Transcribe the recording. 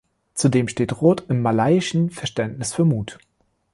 Zudem steht Rot im malaiischen Verständnis für Mut.